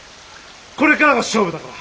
これからが勝負だから。